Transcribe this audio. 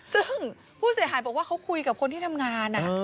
ซึ่งผู้เสียหายบอกว่าเขาคุยกับคนที่ทำงาน